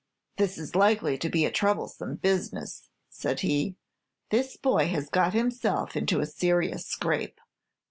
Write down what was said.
"This is likely to be a troublesome business," said he. "This boy has got himself into a serious scrape.